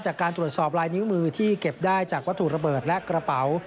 จากการตรวจสอบลายนิ้วมือที่เก็บได้จากวัตถุระเบิดและกระเป๋า